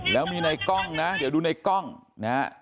แล้วมีในกล้องนะเดี๋ยวดูในกล้องนะฮะ